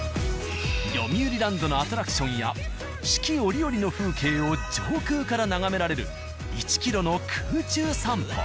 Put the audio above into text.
よみうりランドのアトラクションや四季折々の風景を上空から眺められる１キロの空中散歩。